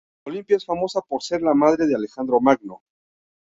Olimpia es famosa por ser la madre de Alejandro Magno.